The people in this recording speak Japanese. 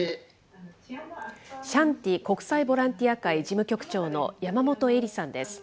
シャンティ国際ボランティア会事務局長の山本英里さんです。